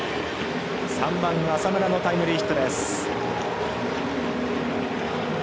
３番、浅村のタイムリーヒットです。